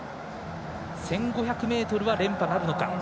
１５００ｍは連覇なるか。